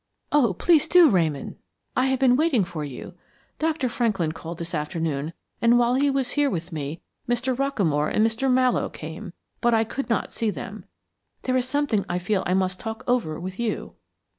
"Oh, please do, Ramon; I have been waiting for you. Dr. Franklin called this afternoon, and while he was here with me Mr. Rockamore and Mr. Mallowe came, but I could not see them. There is something I feel I must talk over with you."